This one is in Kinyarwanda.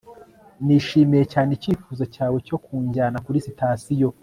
nishimiye cyane icyifuzo cyawe cyo kunjyana kuri sitasiyo